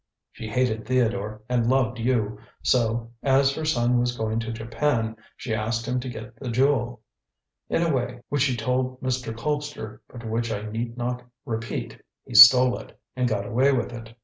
She hated Theodore, and loved you, so, as her son was going to Japan, she asked him to get the Jewel. In a way which he told Mr. Colpster, but which I need not repeat, he stole it, and got away with it.